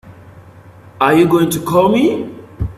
Are you going to call me?